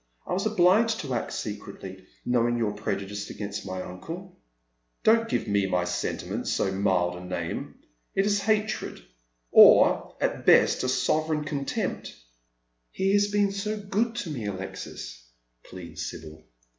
I was obliged to act secretly, knowing your prejudice against my uncle." " Don't give my sentiment so mild a name. It is hatred— or at best a sovereign contempt." " He has been so go~i to me, Alexis," pleads Sibyl. Between Love and Gold.